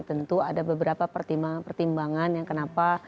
tentu ada beberapa pertimbangan yang kenapa